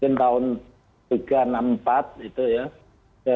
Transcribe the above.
mungkin tahun seribu sembilan ratus enam puluh empat